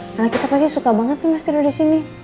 karena kita pasti suka banget tuh mas tidur disini